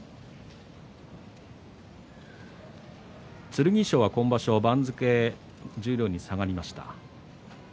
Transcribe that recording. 剣翔は今場所、番付十両に下がりました。